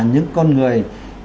những con người